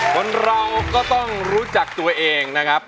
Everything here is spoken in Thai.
คนเราก็ต้องรู้จักตัวเองนะครับ